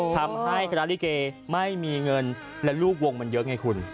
ทำให้คณะลิเกไม่มีเงินและลูกวงมันเยอะไงคุณ